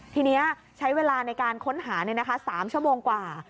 ทีนี้ใช้เวลาในการค้นหา๓ชั่วโมงกว่า